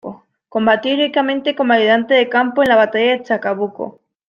Combatió heroicamente como ayudante de campo en la batalla de Chacabuco.